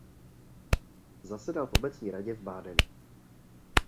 Zasedal v obecní radě v Badenu.